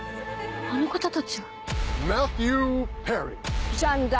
あの方たちは。